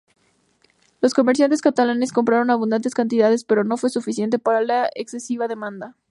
Los comerciantes catalanes compraron abundantes cantidades pero no fue suficiente para la excesiva demanda.